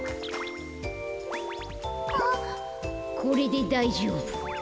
これでだいじょうぶ。